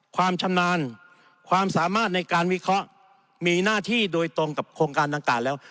ความชำนาญความสามารถในการวิเคราะห์มีหน้าที่โดยตรงกับโครงการต่างแล้ว